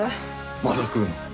まだ食うの？